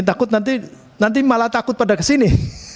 takut nanti nanti malah takut pada ke sini